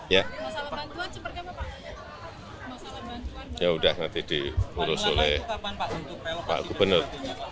yaudah nanti diurus oleh pak gubernur